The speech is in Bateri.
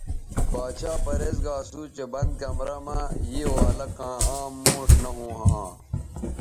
باڇھا پریز گا اسو چہء بند کمرہ مہ یے والہ کاں عام موݜ نہ ھوں ھاں